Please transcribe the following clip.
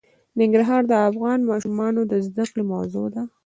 ننګرهار د افغان ماشومانو د زده کړې موضوع ده.